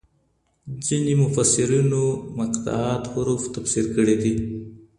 ځيني مفسرينو مقطعات حروف تفسير کړي دي.